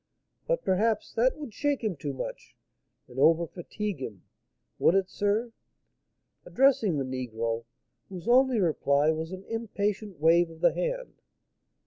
But, perhaps, that would shake him too much, and overfatigue him; would it, sir?" addressing the negro, whose only reply was an impatient wave of the hand.